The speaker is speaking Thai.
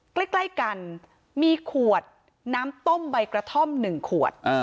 ใกล้กันมีขวดน้ำต้มใบกระท่อม๑ขวด